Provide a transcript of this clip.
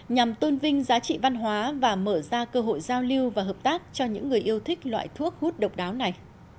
nhằm tôn vinh giá trị văn hóa và mở ra cơ hội giao lưu và hợp tác cho những người yêu thích loại thuốc hút độc đáo này